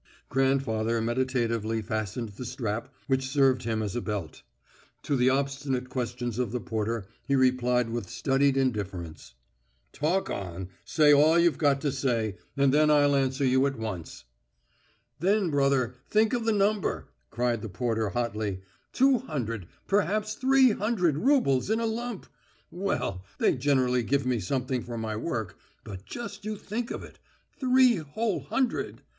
Grandfather meditatively fastened the strap which served him as a belt. To the obstinate questions of the porter he replied with studied indifference. "Talk on, say all you've got to say, and then I'll answer you at once." "Then, brother, think of the number," cried the porter hotly. "Two hundred, perhaps three hundred roubles in a lump! Well, they generally give me something for my work ... but just you think of it. Three whole hundred!